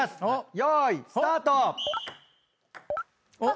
よーいスタート。